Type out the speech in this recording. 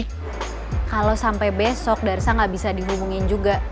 kalau sampai besok darsa gak bisa dihubungin juga